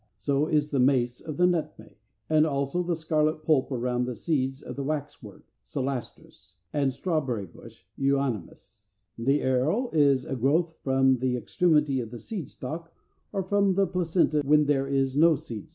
So is the mace of the nutmeg; and also the scarlet pulp around the seeds of the Waxwork (Celastrus) and Strawberry bush (Euonymus). The aril is a growth from the extremity of the seed stalk, or from the placenta when there is no seed stalk. [Illustration: Fig. 418.